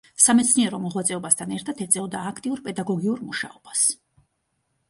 სამეცნიერო მოღვაწეობასთან ერთად ეწეოდა აქტიურ პედაგოგიურ მუშაობას.